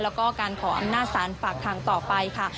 แล้วก็การขออำนาจศาลฝากทางต่อไปค่ะ